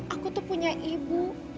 aku tuh punya ibu